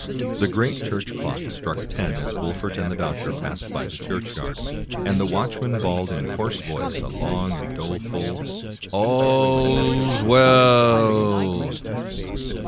The great church clock struck ten as Wolfert and the doctor passed by the churchyard, and the watchman bawled in hoarse voice a long and doleful " All's well!